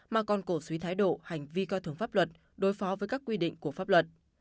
mà còn cổ suý thái độ hành vi coi thường pháp luật đối phó với các quy định của pháp luật